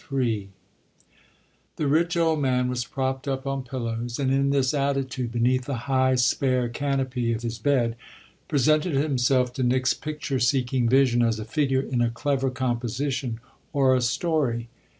XXXIII The rich old man was propped up on pillows, and in this attitude, beneath the high, spare canopy of his bed, presented himself to Nick's picture seeking vision as a figure in a clever composition or a "story."